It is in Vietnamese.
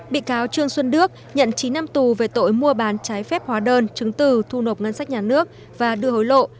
bị cáo trương xuân đức nhận chín năm tù về tội mua bán trái phép hóa đơn chứng từ thu nộp ngân sách nhà nước và đưa hối lộ